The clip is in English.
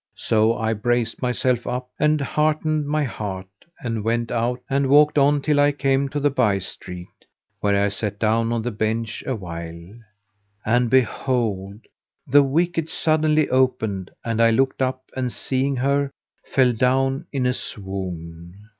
So I braced myself up and heartened my heart and went out and walked on till I came to the by street, where I sat down on the bench awhile. And behold, the wicket suddenly opened and I looked up and seeing her, fell down in a swoon.